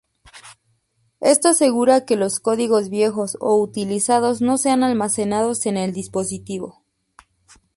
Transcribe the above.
Esto asegura que los códigos viejos o utilizados no sean almacenados en el dispositivo.